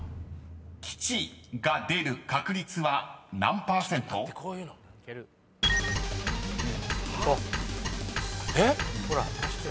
［吉が出る確率は何％？］えっ？